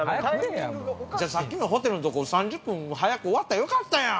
さっきのホテルんとこ３０分早く終わったらよかったやん！